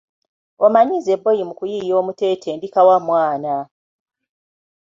Omanyi nze bboyi mu kuyiiya omutete ndi kawa mwana.